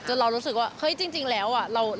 จนเรารู้สึกว่าจริงแล้ว